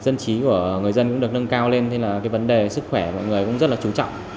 nhiều người dân cũng được nâng cao lên thế là cái vấn đề sức khỏe mọi người cũng rất là trú trọng